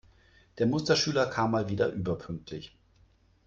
Der Musterschüler kam mal wieder überpünktlich.